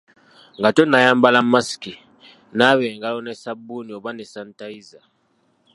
Nga tonnayambala masiki, naaba engalo ne ssabbuuni oba ne sanitayiza.